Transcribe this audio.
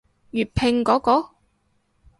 粵拼嗰個？